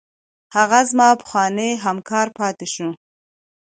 هغه زما پخوانی همکار پاتې شوی.